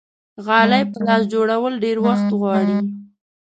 غلۍ په لاسو جوړول ډېر وخت غواړي.